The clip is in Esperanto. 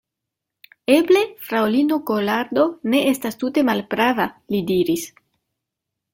Eble fraŭlino Kolardo ne estas tute malprava, li diris.